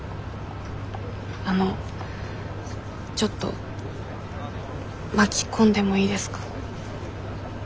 あのちょっと巻き込んでもいいですか？